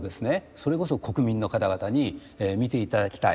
それこそ国民の方々に見ていただきたい。